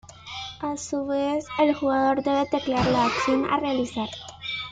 A su vez, el jugador debe teclear la acción a realizar.